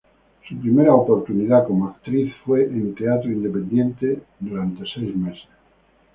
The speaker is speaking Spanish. Su primera oportunidad como actriz fue en teatro independiente por seis meses.